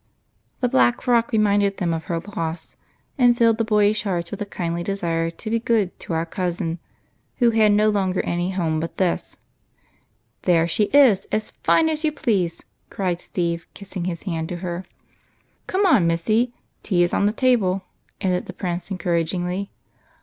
The black frock reminded them of her loss, and filled the boyish hearts with a kindly desire to be good to " our cousin," who had no longer any honie but this. " There she is, as fine as you please," cried Steve, kissing his hand to her. 20 EIGHT COUSINS. " Come on, Missy ; tea is ready," added the Prince encouragingly.